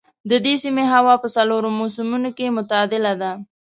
د دې سیمې هوا په څلورو موسمونو کې معتدله ده.